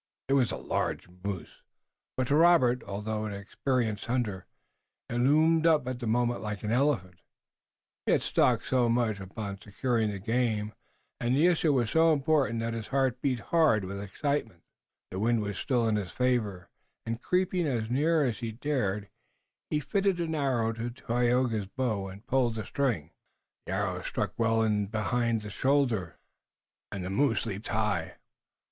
It was a large moose, but to Robert, although an experienced hunter, it loomed up at the moment like an elephant. He had staked so much upon securing the game, and the issue was so important that his heart beat hard with excitement. The wind was still in his favor, and, creeping as near as he dared, he fitted an arrow to Tayoga's bow and pulled the string. The arrow struck well in behind the shoulder and the moose leaped high.